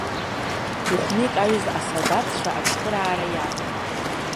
Ихәны икажьыз асалдаҭцәа ацхыраара иаҳәон.